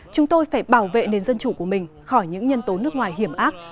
chúng tôi phải bảo vệ nền dân chủ của mình khỏi những nhân tố nước ngoài hiểm ác